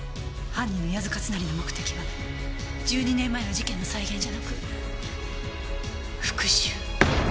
犯人の谷津勝成の目的は１２年前の事件の再現じゃなく復讐。